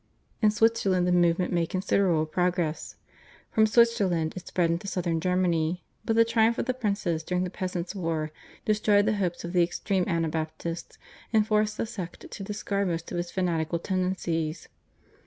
In Switzerland the movement made considerable progress. From Switzerland it spread into southern Germany, but the triumph of the princes during the Peasants' War destroyed the hopes of the extreme Anabaptists, and forced the sect to discard most of its fanatical tendencies.